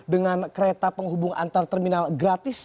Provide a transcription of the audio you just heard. dengan kereta penghubung antar terminal gratis